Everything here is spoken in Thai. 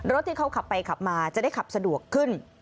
รถที่เขาขับไปขับมาจะได้ขับสะดวกขึ้น